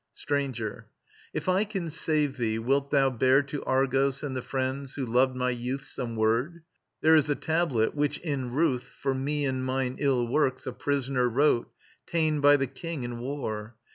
Stranger, if I can save thee, wilt thou bear To Argos and the friends who loved my youth Some word? There is a tablet which, in truth For me and mine ill works, a prisoner wrote, Ta'en by the king in war.